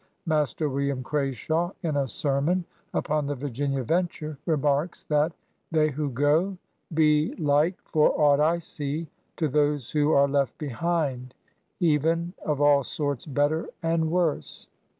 Master William Crashaw, in a sermon upon the Virginia venture, remarks that '"they who goe ... be like (for aught I see) to those who are left behind, even of all sorts better and worse!''